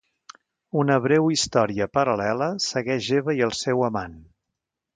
Una breu història paral·lela segueix Eva i el seu amant.